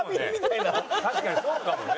確かにそうかもね。